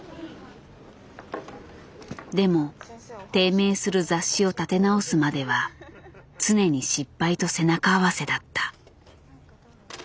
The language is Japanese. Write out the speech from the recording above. でも低迷する雑誌を立て直すまでは常に失敗と背中合わせだった。